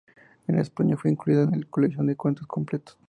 En español fue incluida en la colección "Cuentos completos".